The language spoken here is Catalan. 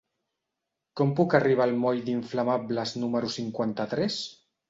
Com puc arribar al moll d'Inflamables número cinquanta-tres?